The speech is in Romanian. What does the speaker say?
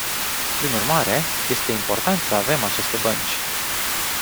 Prin urmare, este important să avem aceste bănci.